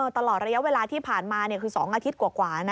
ตลอดระยะเวลาที่ผ่านมาคือ๒อาทิตย์กว่า